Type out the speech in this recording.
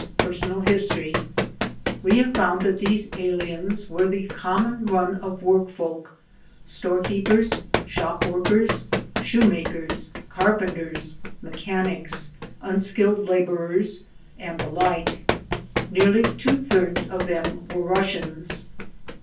Personal History We have found that these aliens were the common run of work folk: store keepers, shop workers, shoe makers, carpenters, mechanics, unskilled laborers and the like. Nearly two thirds of them were Russians.